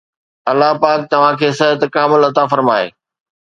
الله پاڪ توهان کي صحت کامل عطا فرمائي